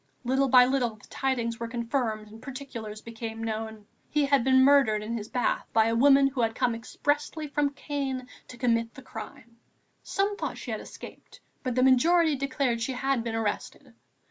Little by little the tidings were confirmed and particulars became known; he had been murdered in his bath by a woman who had come expressly from Caen to commit the crime. Some thought she had escaped; but the majority declared she had been arrested.